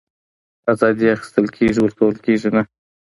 آزادي اخيستل کېږي ورکول کېږي نه